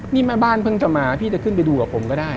นี่แม่บ้านเพิ่งจะมาพี่จะขึ้นไปดูกับผมก็ได้